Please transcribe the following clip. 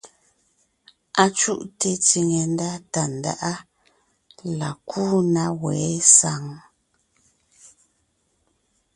Acuʼte tsìŋe ndá Tàndáʼa la kúu na wɛ̌ saŋ ?